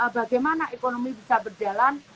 bagaimana ekonomi bisa berjalan